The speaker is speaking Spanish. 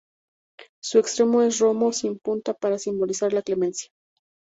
Su extremo es romo, sin punta, para simbolizar la clemencia.